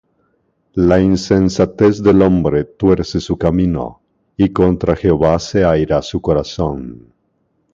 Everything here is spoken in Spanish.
La insensatez del hombre tuerce su camino; Y contra Jehová se aira su corazón.